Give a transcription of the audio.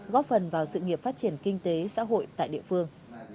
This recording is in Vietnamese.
góp phần vào sự nghiệp phát triển kinh tế xã hội tại địa phương